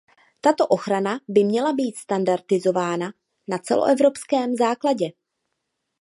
Tato ochrana by měla být standardizovaná na celoevropském základě.